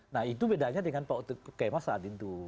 nah itu bedanya dengan pak otot kemas saat itu